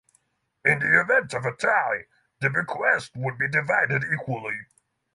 In the event of a tie, the bequest would be divided equally.